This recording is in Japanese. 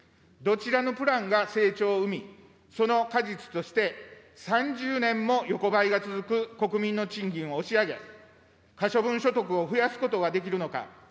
どちらのプランが成長を生み、その果実として３０年も横ばいが続く国民の賃金を押し上げ、可処分所得を増やすことができるのか。